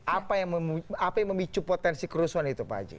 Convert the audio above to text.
apa yang memicu potensi kerusuhan itu pak haji